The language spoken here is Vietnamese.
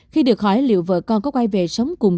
khi được hỏi liệu vợ con có quay về sống cùng